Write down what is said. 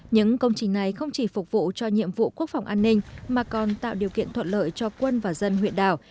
những công trình này không chỉ phục vụ cho nhiệm vụ quốc phòng an ninh mà còn tạo điều kiện thuận lợi cho quân và dân huyện đảo